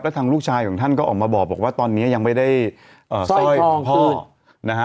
และทางลูกชายของท่านก็ออกมาบอกว่าตอนนี้ยังไม่ได้ซ่อยของพ่อ